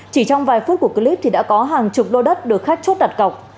chỉ trong vài phút của clip thì đã có hàng chục lô đất được khách chốt đặt cọc